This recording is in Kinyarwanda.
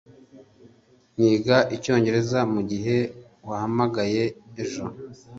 niga icyongereza mugihe wahamagaye ejo